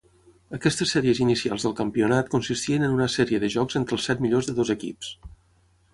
Aquestes sèries inicials del campionat consistien en una sèrie de jocs entre els set millors de dos equips.